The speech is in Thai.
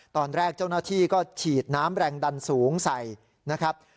ตอนแรกเจ้าหน้าที่ก็ฉีดน้ำแรงดันสูงใส่นะครับ